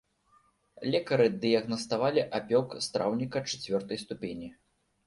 Лекары дыягнаставалі апёк страўніка чацвёртай ступені.